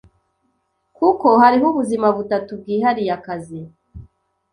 kuko hariho Ubuzima butatu bwihariye akazi